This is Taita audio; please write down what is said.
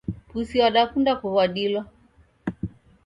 Pusi wadakunda kuw'uadilwa